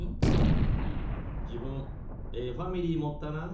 自分ええファミリー持ったな。